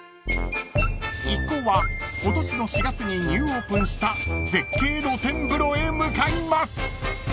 ［一行は今年の４月にニューオープンした絶景露天風呂へ向かいます］